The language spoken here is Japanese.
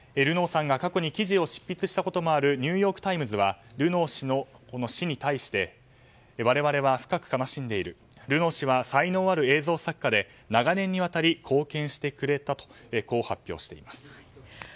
ルノーさんが過去に記事を執筆したこともあるニューヨーク・タイムズはルノー氏の死に対して我々は深く悲しんでいるルノー氏は才能ある映像作家で長年にわたり貢献してくれたとこう発表しています。